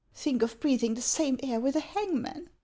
Think of breathing the same air with a hangman